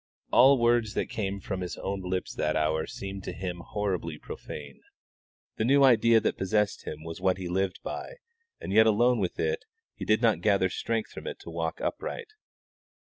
All words that came from his own lips that hour seemed to him horribly profane. The new idea that possessed him was what he lived by, and yet alone with it he did not gather strength from it to walk upright.